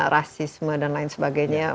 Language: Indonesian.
rasisme dan lain sebagainya